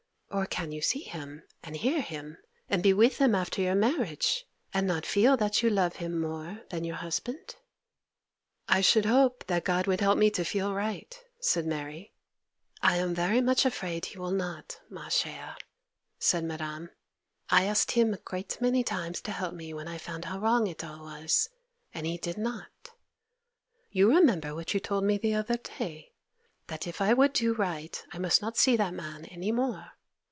Or can you see him, and hear him, and be with him after your marriage, and not feel that you love him more than your husband?' 'I should hope that God would help me to feel right,' said Mary. 'I am very much afraid He will not, ma chère' said Madame. 'I asked Him a great many times to help me when I found how wrong it all was, and He did not. You remember what you told me the other day, "that if I would do right I must not see that man any more."